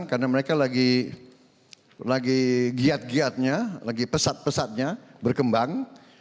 karena mereka lagi giat giatnya lagi pesat pesatnya berkembang